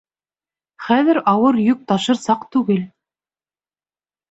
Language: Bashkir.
— Хәҙер ауыр йөк ташыр саҡ түгел.